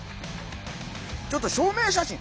ちょっと証明写真。